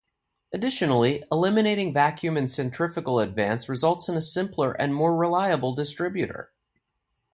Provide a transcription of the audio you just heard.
Additionally, eliminating vacuum and centrifugal advance results in a simpler and more reliable distributor.